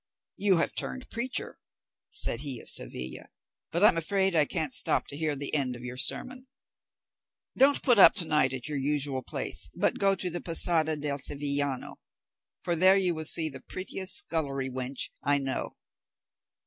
"You have turned preacher!" said he of Seville; "but I am afraid I can't stop to hear the end of your sermon. Don't put up to night at your usual place, but go to the Posada del Sevillano, for there you will see the prettiest scullery wench I know.